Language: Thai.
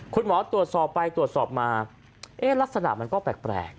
คุณหมอตรวจสอบไปตรวจสอบมาลักษณะมันก็แปลก